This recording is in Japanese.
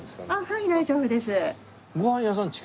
はい大丈夫です。